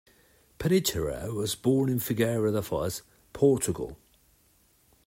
Penicheiro was born in Figueira da Foz, Portugal.